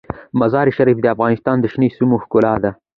مزارشریف د افغانستان د شنو سیمو ښکلا ده.